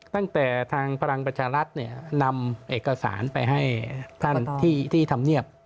ตั้งแต่ทางพลังประชารัฐนำเอกสารไปให้ท่านที่ทำเนียบ